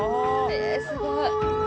えすごい！